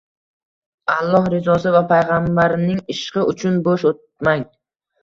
Alloh rizosi va Payg`ambarining ishqi uchun bo`sh o`tmang